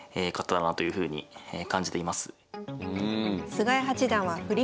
菅井八段は振り